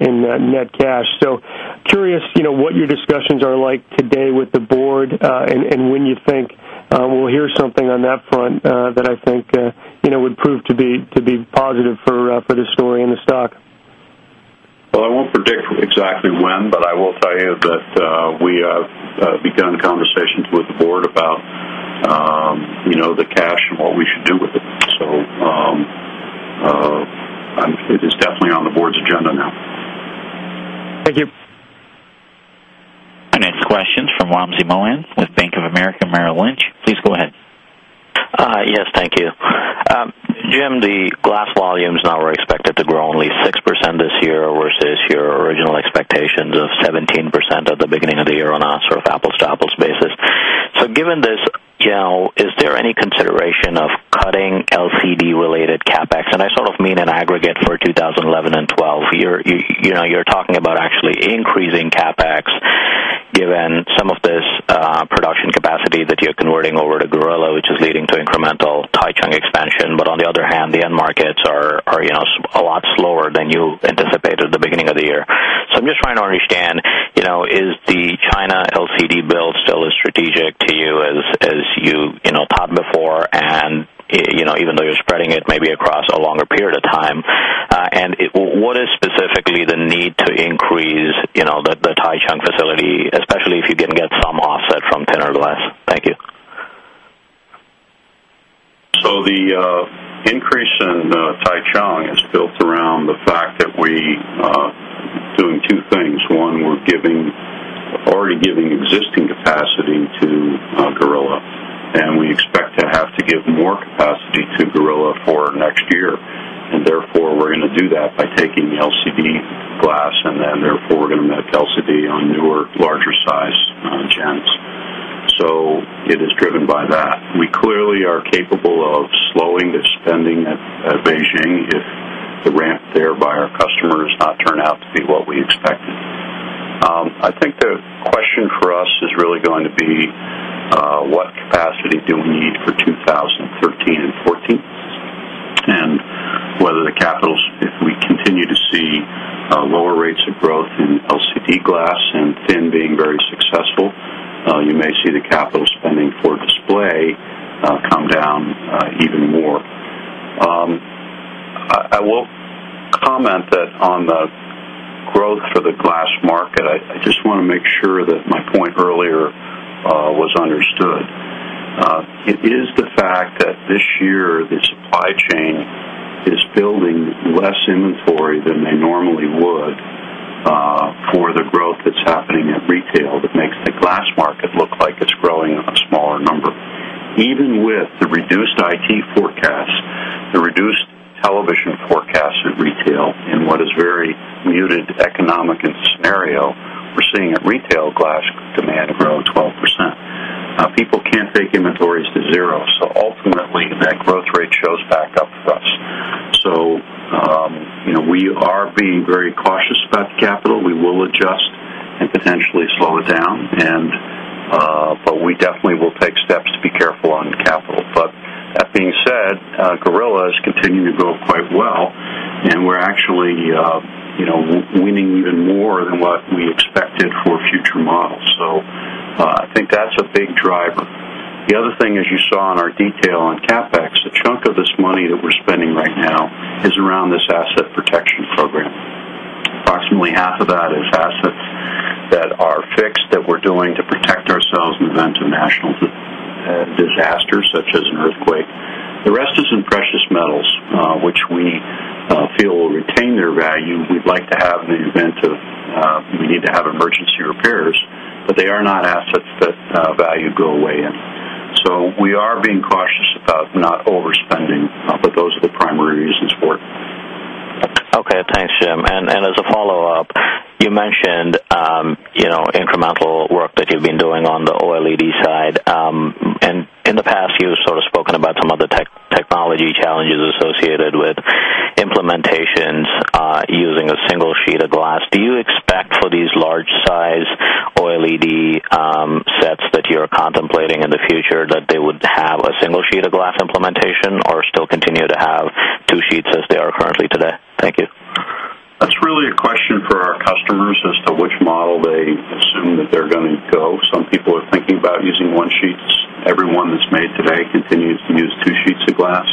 in net cash. I'm curious what your discussions are like today with the board and when you think we'll hear something on that front that I think would prove to be positive for the story and the stock. I won't predict exactly when, but I will tell you that we have begun conversations with the board about, you know, the cash and what we should do with it. It is definitely on the board's agenda now. Thank you. Our next question is from Wamsi Mohan with Bank of America Merrill Lynch. Please go ahead. Yes. Thank you. Jim, the glass volumes now are expected to grow only 6% this year versus your original expectations of 17% at the beginning of the year on a sort of apples-to-apples basis. Given this, is there any consideration of cutting LCD-related CapEx? I sort of mean in aggregate for 2011 and 2012. You're talking about actually increasing CapEx given some of this production capacity that you're converting over to Gorilla, which is leading to incremental Taichung expansion. On the other hand, the end markets are a lot slower than you anticipated at the beginning of the year. I'm just trying to understand, is the China LCD build still as strategic to you as you thought before, even though you're spreading it maybe across a longer period of time, and what is specifically the need to increase the Taichung facility, especially if you can get some offset from thinner glass? Thank you. The increase in Taichung is built around the fact that we're doing two things. One, we're already giving existing capacity to Gorilla, and we expect to have to give more capacity to Gorilla for next year. Therefore, we're going to do that by taking the LCD glass, and then we're going to make LCD on newer, larger-size gens. It is driven by that. We clearly are capable of slowing the spending at Beijing if the ramp there by our customers does not turn out to be what we expected. I think the question for us is really going to be what capacity do we need for 2013 and 2014, and whether the capital, if we continue to see lower rates of growth in LCD glass and thin being very successful, you may see the capital spending for display come down even more. I will comment on the growth for the glass market. I just want to make sure that my point earlier was understood. It is the fact that this year, the supply chain is building less inventory than they normally would for the growth that's happening at retail that makes the glass market look like it's growing on a smaller number. Even with the reduced IT forecast, the reduced television forecast at retail in what is a very muted economic scenario, we're seeing at retail glass demand grow 12%. People can't take inventories to zero. Ultimately, that growth rate shows back up for us. We are being very cautious about the capital. We will adjust and potentially slow it down, but we definitely will take steps to be careful on capital. That being said, Gorilla is continuing to go quite well. We're actually winning even more than what we expected for future models. I think that's a big driver. The other thing, as you saw in our detail on CapEx, a chunk of this money that we're spending right now is around this asset protection program. Approximately half of that is assets that are fixed that we're doing to protect ourselves in the event of national disasters such as an earthquake. The rest is in precious metals, which we feel will retain their value. We'd like to have in the event we need to have emergency repairs, but they are not assets that value go away in. We are being cautious about not overspending, but those are the primary reasons for it. Okay. Thanks, Jim. As a follow-up, you mentioned incremental work that you've been doing on the OLED side. In the past, you've sort of spoken about some of the technology challenges associated with implementations using a single sheet of glass. Do you expect for these large-size OLED sets that you're contemplating in the future that they would have a single sheet of glass implementation or still continue to have two sheets as they are currently today? Thank you. That's really a question for our customers as to which model they assume that they're going to go. Some people are thinking about using one sheet. Everyone that's made today continues to use two sheets of glass.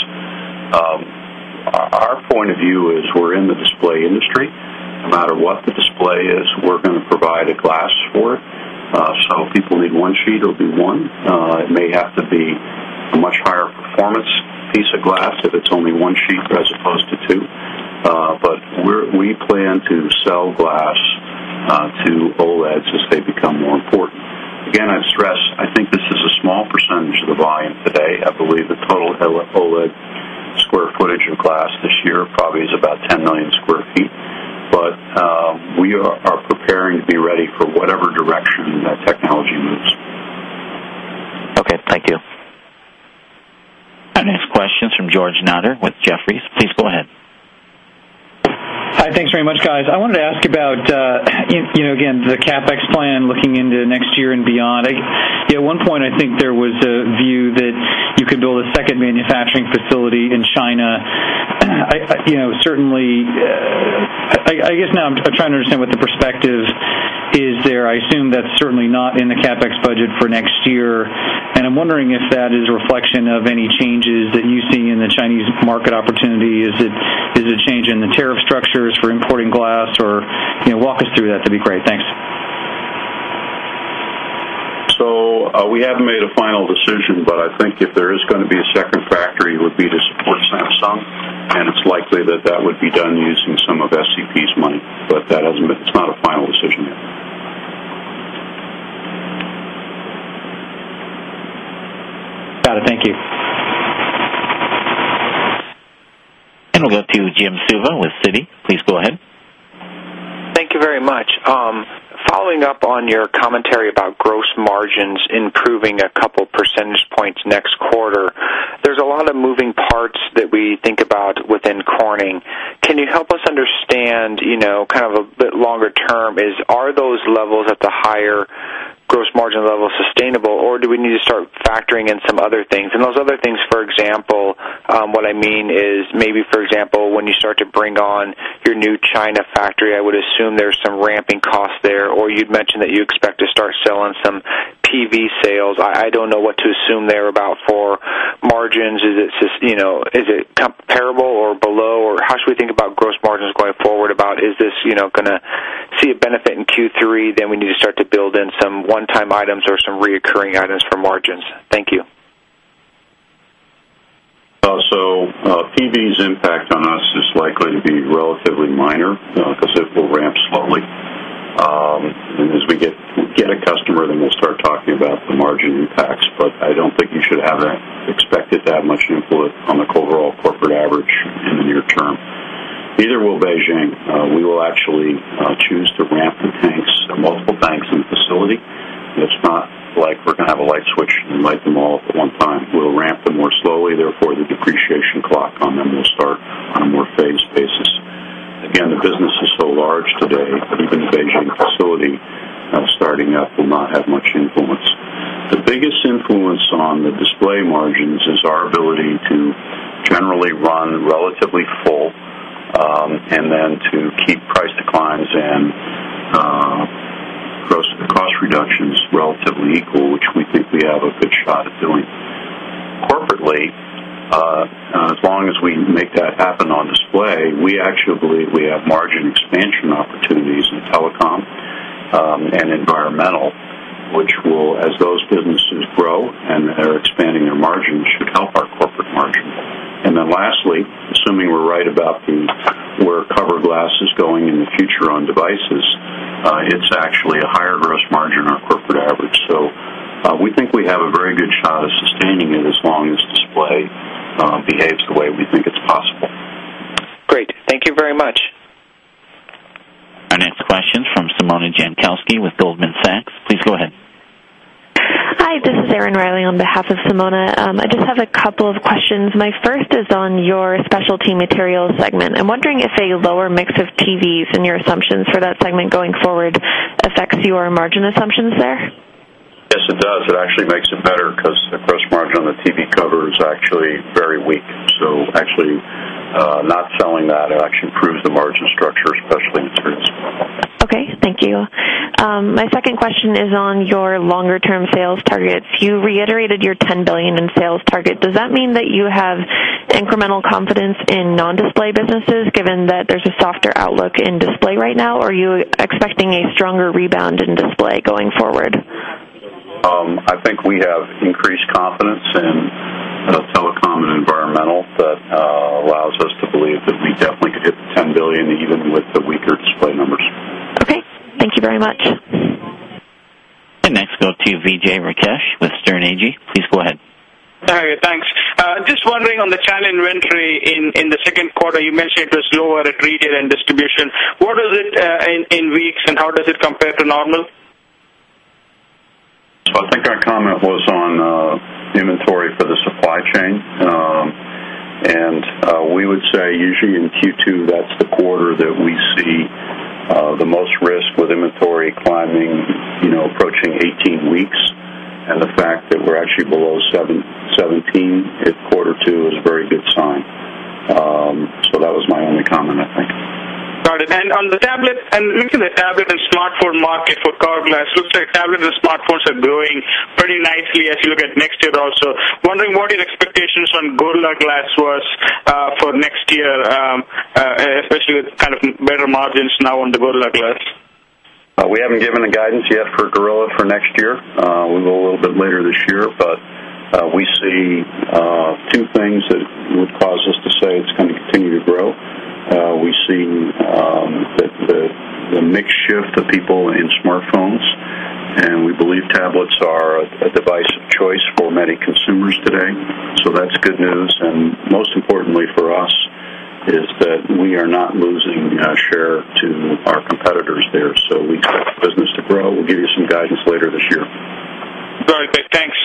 Our point of view is we're in the display industry. No matter what the display is, we're going to provide a glass for it. If people need one sheet, it'll be one. It may have to be a much higher performance piece of glass if it's only one sheet as opposed to two. We plan to sell glass to OLEDs as they become long-form. I'd stress I think this is a small percentage of the volume today. I believe the total OLED square footage of glass this year probably is about 10 million sq. ft. We are preparing to be ready for whatever direction that technology moves. Okay, thank you. Our next question is from George Notter with Jefferies. Please go ahead. Hi. Thanks very much, guys. I wanted to ask about, you know, again, the CapEx plan looking into next year and beyond. At one point, I think there was a view that you could build a second manufacturing facility in China. Certainly, I guess now I'm trying to understand what the perspective is there. I assume that's certainly not in the CapEx budget for next year. I'm wondering if that is a reflection of any changes that you see in the Chinese market opportunity. Is it a change in the tariff structures for importing glass? You know, walk us through that. That'd be great. Thanks. We haven't made a final decision, but I think if there is going to be a second factory, it would be to support Samsung. It's likely that that would be done using some of SCP's money, but it's not a final decision yet. Got it. Thank you. We will go to Jim Suva with Citi. Please go ahead. Thank you very much. Following up on your commentary about gross margins improving a couple percentage points next quarter, there's a lot of moving parts that we think about within Corning. Can you help us understand, you know, kind of a bit longer term, are those levels at the higher gross margin level sustainable, or do we need to start factoring in some other things? For example, what I mean is maybe, for example, when you start to bring on your new China factory, I would assume there's some ramping costs there. You'd mentioned that you expect to start selling some TV sales. I don't know what to assume there about for margins. Is it comparable or below? How should we think about gross margins going forward? Is this going to see a benefit in Q3? Do we need to start to build in some one-time items or some recurring items for margins? Thank you. TV's impact on us is likely to be relatively minor because it will ramp slowly. As we get a customer, then we'll start talking about the margin impacts. I don't think you should have expected that much input on the overall corporate average in the near term. Neither will Beijing. We will actually choose to ramp the tanks, multiple tanks in the facility. It's not like we're going to have a light switch and light them all up at one time. We'll ramp them more slowly. Therefore, the depreciation clock on them will start on a more phased basis. The business is so large today that even a Beijing facility starting up will not have much influence. The biggest influence on the display margins is our ability to generally run relatively full and then to keep price declines and cost reductions relatively equal, which we think we have a good shot at doing. Corporately, as long as we make that happen on display, we actually believe we have margin expansion opportunities in the telecom and environmental, which will, as those businesses grow and they're expanding their margins, should help our corporate margin. Lastly, assuming we're right about where cover glass is going in the future on devices, it's actually a higher gross margin on corporate average. We think we have a very good shot at sustaining it as long as display behaves the way we think it's possible. Great. Thank you very much. Our next question is from Simona Jankowski with Goldman Sachs. Please go ahead. Hi. This is Erin Riley on behalf of Simona. I just have a couple of questions. My first is on your Specialty Materials segment. I'm wondering if a lower mix of TVs and your assumptions for that segment going forward affects your margin assumptions there? Yes, it does. It actually makes it better because the gross margin on the TV cover is actually very weak. Not selling that actually improves the margin structure, especially in the spring. Okay. Thank you. My second question is on your longer-term sales targets. You reiterated your $10 billion in sales target. Does that mean that you have incremental confidence in non-display businesses, given that there's a softer outlook in display right now? Or are you expecting a stronger rebound in display going forward? I think we have increased confidence in telecom and Environmental that allows us to believe that we definitely could hit the $10 billion even with the weaker display numbers. Thank you very much. Next, we'll go to Vijay Rakesh with Sterne Agee. Please go ahead. Very good. Thanks. I'm just wondering on the challenge inventory in the second quarter. You mentioned it was lower at retail and distribution. What is it in weeks, and how does it compare to normal? I think my comment was on the inventory for the supply chain. We would say usually in the Q2 multiple quarter that we see the most risk with inventory climbing, you know, approaching 18 weeks. The fact that we're actually below 17 at quarter two is a very good sign. That was my only comment, I think. Got it. On the tablet and looking at the tablet and smartphone market for cover glass, it looks like tablets and smartphones are growing pretty nicely as you look at next year also. Wondering what your expectations on Gorilla Glass was for next year, especially with kind of better margins now on the Gorilla Glass. We haven't given the guidance yet for Gorilla for next year. We will a little bit later this year. We see two things that would cause us to say it's going to continue to grow. We've seen the mix shift of people in smartphones, and we believe tablets are a device of choice for many consumers today. That's good news. Most importantly for us is that we are not losing share to our competitors there. We do have business to grow. We'll give you some guidance later this year. Very good. Thanks.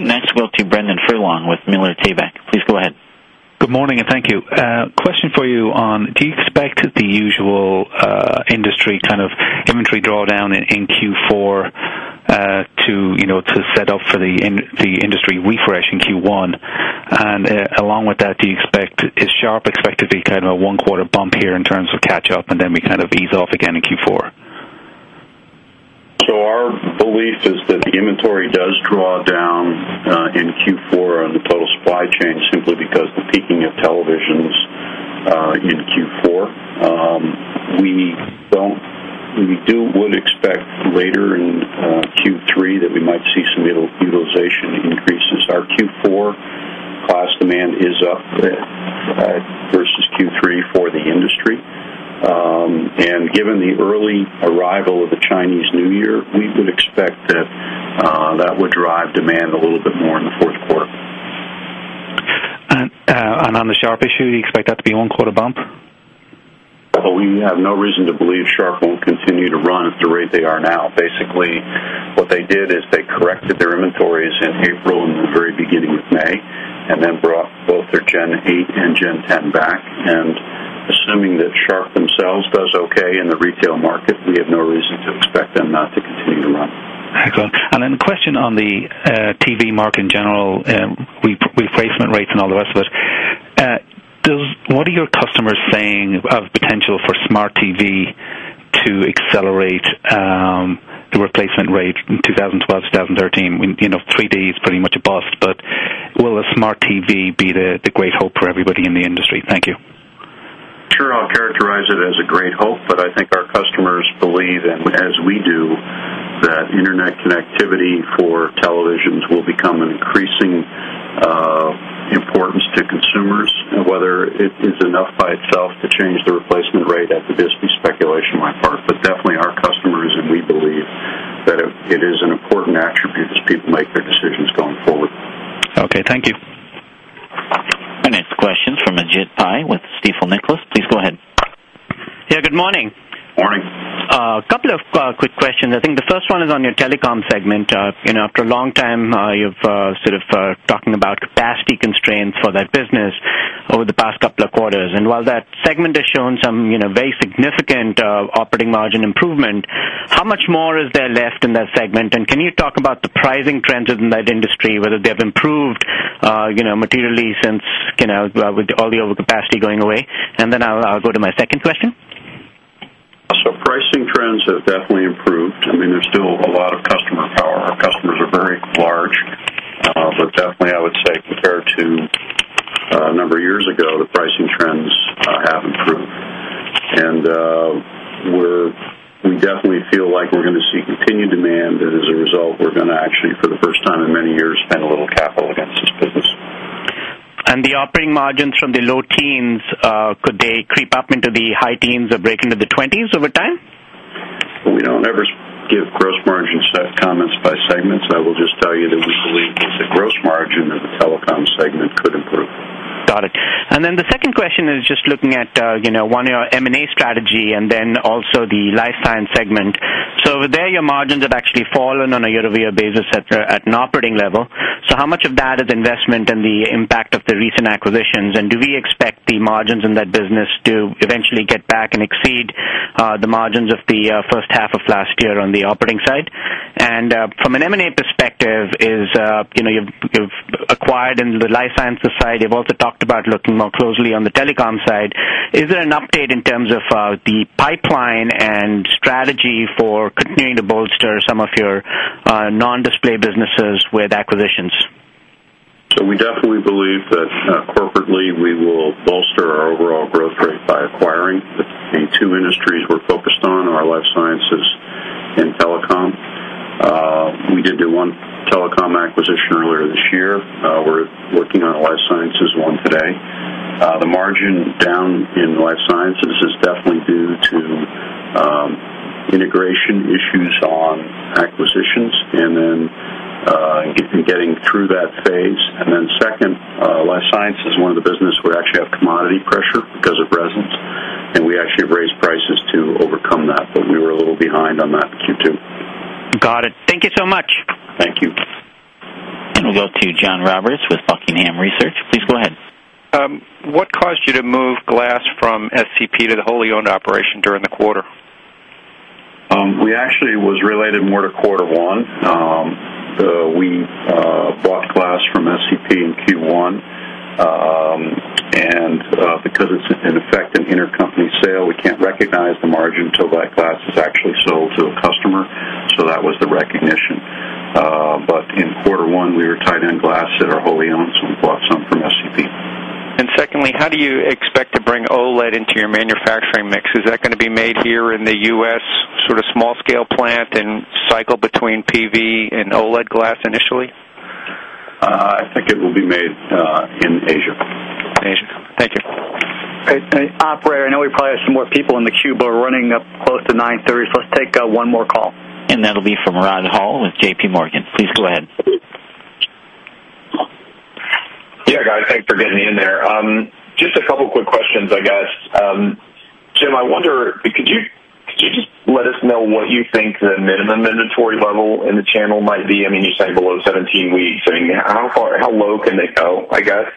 Next, we'll go to Brendan Furlong with Miller Tabak. Please go ahead. Good morning, and thank you. Question for you: do you expect the usual industry kind of inventory drawdown in Q4 to set up for the industry refresh in Q1? Along with that, is Sharp expected to be kind of a one-quarter bump here in terms of catch-up, and then we ease off again in Q4? Our belief is that the inventory does draw down in Q4 on the total supply chain simply because of the peaking of televisions in Q4. We do expect later in Q3 that we might see some utilization increases. Our Q4 cost demand is up versus Q3 for the industry, and given the early arrival of the Chinese New Year, we do expect that that would drive demand a little bit more in the fourth quarter. On the Sharp issue, do you expect that to be a one-quarter bump? We have no reason to believe Sharp won't continue to run at the rate they are now. Basically, what they did is they corrected their inventories in April and the very beginning of May, then brought both their Gen 8 and Gen 10 back. Assuming that Sharp themselves does okay in the retail market, we have no reason to expect them not to continue to run. Excellent. A question on the TV market in general, replacement rates and all the rest of it. What are your customers saying of the potential for smart TV to accelerate the replacement rate in 2012, 2013? 3D is pretty much a bust, but will a smart TV be the great hope for everybody in the industry? Thank you. Sure. I'll characterize it as a great hope, but I think our customers believe, and as we do, that internet connectivity for televisions will become an increasing importance to consumers. Whether it is enough by itself to change the replacement rate is speculation on my part. Our customers and we definitely believe that it is an important attribute as people make their decisions going forward. Okay, thank you. The next question is from Ajit Pai with Stifel, Nicolaus. Please go ahead. Yeah, good morning. Morning. A couple of quick questions. I think the first one is on your telecom segment. After a long time, you've sort of talked about capacity constraints for that business over the past couple of quarters. While that segment has shown some very significant operating margin improvement, how much more is there left in that segment? Can you talk about the pricing trends in that industry, whether they have improved materially since with all the overcapacity going away? I'll go to my second question. Pricing trends have definitely improved. I mean, there's still a lot of customer power. Our customers are very large. I would say compared to a number of years ago, the pricing trends have improved. We definitely feel like we're going to see continued demand, and as a result, we're going to actually, for the first time in many years, spend a little capital against it. Could the operating margins from the low teens creep up into the high teens or break into the 20s over time? We don't ever give gross margin comments by segments. I will just tell you that we believe it's a gross margin that the telecom segment could improve. Got it. The second question is just looking at your M&A strategy and also the Life Sciences segment. Over there, your margins have actually fallen on a year-over-year basis at an operating level. How much of that is investment and the impact of the recent acquisitions? Do we expect the margins in that business to eventually get back and exceed the margins of the first half of last year on the operating side? From an M&A perspective, you've acquired in the Life Sciences side. You've also talked about looking more closely on the telecom side. Is there an update in terms of the pipeline and strategy for continuing to bolster some of your non-display businesses with acquisitions? We definitely believe that corporately we will bolster our overall growth rate by acquiring the two industries we're focused on, our Life Sciences and telecom. We did do one telecom acquisition earlier this year. We're working on a Life Sciences one today. The margin down in Life Sciences is definitely due to integration issues on acquisitions and then getting through that phase. Second, Life Sciences is one of the businesses where we actually have commodity pressure because of resins, and we actually have raised prices to overcome that. We were a little behind on that in Q2. Got it. Thank you so much. Thank you. We will go to John Roberts with Buckingham Research. Please go ahead. What caused you to move glass from SCP to the wholly owned operation during the quarter? It actually was related more to quarter one. We bought glass from SCP in Q1, and because it's an effective intercompany sale, we can't recognize the margin until that glass is actually sold to a customer. That was the recognition. In quarter one, we were tied in glass that are wholly owned, so we bought some from SCP. How do you expect to bring OLED into your manufacturing mix? Is that going to be made here in the U.S., sort of small-scale plant and cycle between photovoltaic glass and OLED glass initially? I think it will be made in Asia. Asia. Thank you. Hey, operator, I know we probably have some more people in the queue, but we're running up close to 9:30, so let's take one more call. That'll be from Rod Hall with JPMorgan. Please go ahead. Yeah. I think I'm getting in there. Just a couple of quick questions, I guess. Jim, I wonder, could you let us know what you think the minimum inventory level in the channel might be? I mean, you say below 17 weeks, or how far, how low can they go, I guess,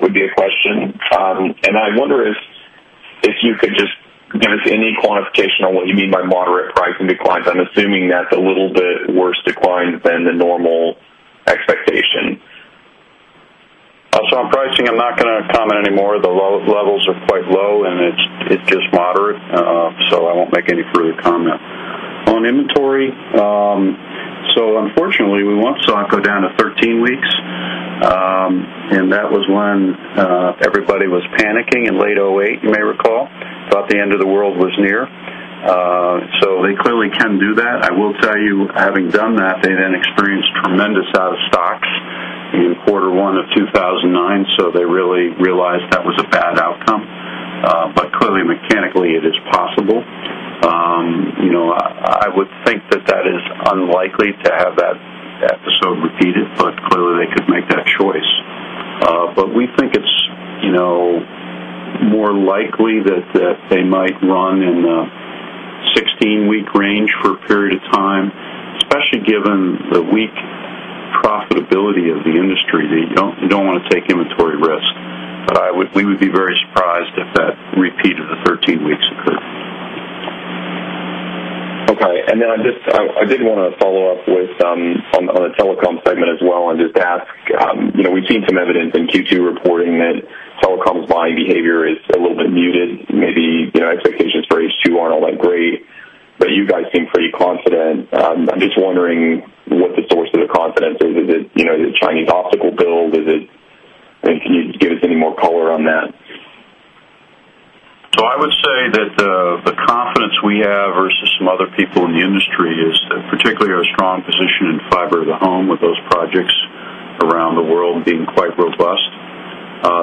would be a question. I wonder if you could just give us any quantification on what you mean by moderate rise in new clients. I'm assuming that's a little bit worse decline than the normal. I don't comment anymore. The low levels are quite low, and it's just moderate. I won't make any further comment. On inventory, unfortunately, we want saw to go down to 13 weeks. That was when everybody was panicking in late 2008, you may recall, thought the end of the world was near. They clearly can do that. I will tell you, having done that, they then experienced tremendous out-of-stocks in quarter one of 2009. They really realized that was a bad outcome. Clearly, mechanically, it is possible. I would think that it is unlikely to have that episode repeated, but clearly, they could make that choice. We think it's more likely that they might run in the 16-week range for a period of time, especially given the weak profitability of the industry. They don't want to take inventory risk. We would be very surprised if that repeat of the 13 weeks occurred. I'm going to as well and just ask, you know, we've seen some evidence in Q2 reporting that telecom's buying behavior is a little bit muted. Maybe their expectations for H2 aren't all that great. You guys seem pretty confident. I'm just wondering what the source of the confidence is. Is it, you know, is it Chinese optical build? Can you just give us any more color on that? I would say that the confidence we have versus some other people in the industry is particularly our strong position in fiber to the home with those projects around the world and being quite robust.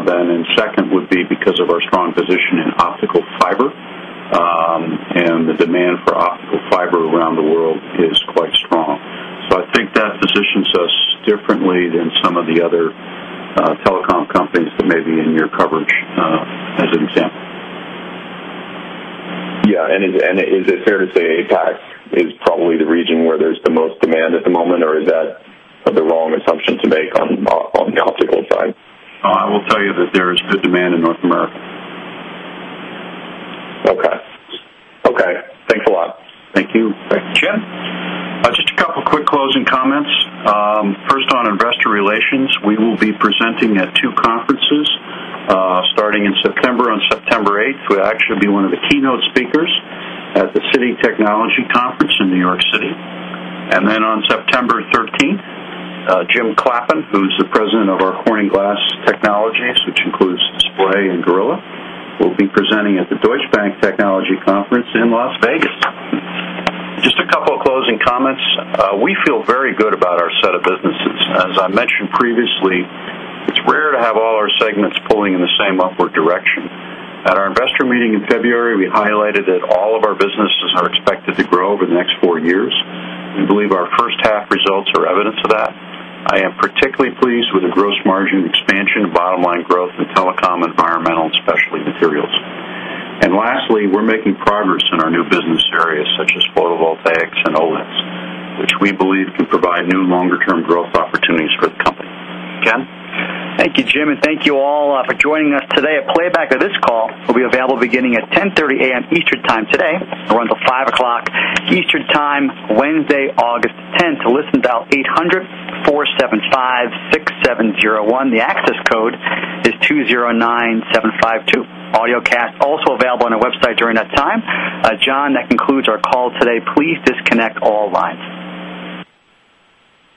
In second would be because of our strong position in optical fiber, and the demand for optical fiber around the world is quite strong. I think that positions us differently than some of the other telecom companies maybe in your coverage as an example. Is it fair to say APAC is probably the region where there's the most demand at the moment, or is that the wrong assumption to make on the optical side? No, I will tell you that there's good demand in the optical. Okay, thanks a lot. Thank you. Thanks, Jim. Just a couple of quick closing comments. First on investor relations, we will be presenting at two conferences, starting in September. On September 8th, we'll actually be one of the keynote speakers at the Citi Technology Conference in New York City. On September 13th, Jim Clappin, who's the President of our Corning Display Technologies, which includes Display and Gorilla, will be presenting at the Deutsche Bank Technology Conference in Las Vegas. Just a couple of closing comments. We feel very good about our set of businesses. As I mentioned previously, it's rare to have all our segments pulling in the same upward direction. At our investor meeting in February, we highlighted that all of our businesses are expected to grow over the next four years. We believe our first half results are evidence of that. I am particularly pleased with the gross margin expansion, bottom line growth in telecom, environmental, and specialty materials. Lastly, we're making progress in our new business areas such as photovoltaic glass and OLEDs, which we believe can provide new longer-term growth opportunities for the company. Ken. Thank you, Jim, and thank you all for joining us today. A playback of this call will be available beginning at 10:30 A.M. Eastern Time today until around 5:00 P.M. Eastern Time, Wednesday, August 10. To listen, dial 800-475-6701. The access code is 209752. Audiocast is also available on our website during that time. John, that concludes our call today. Please disconnect all lines.